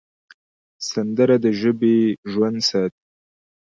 سندره د ژبې ژوند ساتي